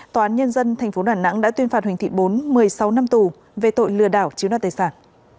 tòa án nhân dân tp đà nẵng đã tuyên phạt huỳnh thị bốn một mươi sáu năm tù về tội lừa đảo chiếu đoạt tài sản